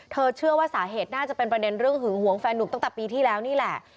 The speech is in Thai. เชื่อว่าสาเหตุน่าจะเป็นประเด็นเรื่องหึงหวงแฟนหนุ่มตั้งแต่ปีที่แล้วนี่แหละ